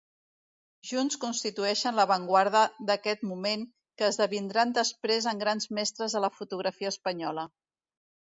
Junts constitueixen l'avantguarda d'aquest moment que esdevindran després en grans mestres de la fotografia espanyola.